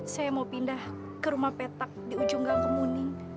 saya mau pindah ke rumah petak di ujung gang kemuning